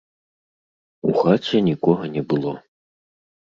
У хаце нікога не было.